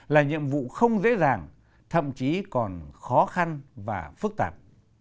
là nhiệm vụ không dễ dàng thậm chí còn khó khăn và phức tạp